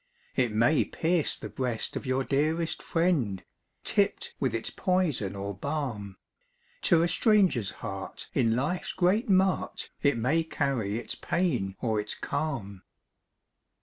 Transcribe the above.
It may pierce the breast of your dearest friend, Tipped with its poison or balm; To a stranger's heart in life's great mart, It may carry its pain or its calm.